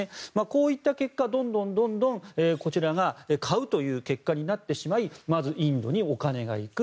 こういった結果どんどんこちらが買うという結果になってしまいまずインドにお金が行く。